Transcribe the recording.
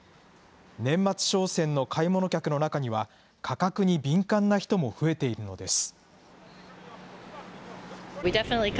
年末商戦の買い物客の中には、価格に敏感な人も増えているのです。